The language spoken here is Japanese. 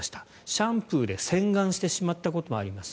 シャンプーで洗顔してしまったこともあります。